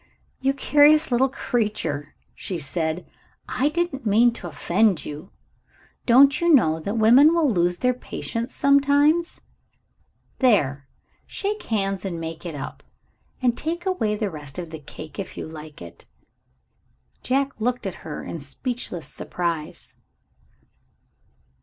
"You curious little creature," she said; "I didn't mean to offend you. Don't you know that women will lose their patience sometimes? There! Shake hands and make it up. And take away the rest of the cake, if you like it." Jack looked at her in speechless surprise.